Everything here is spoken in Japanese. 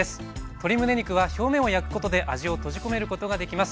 鶏むね肉は表面を焼くことで味を閉じ込めることができます。